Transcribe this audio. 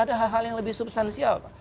ada hal hal yang lebih substansial pak